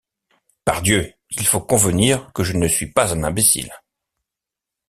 Pardieu! il faut convenir que je ne suis pas un imbécile.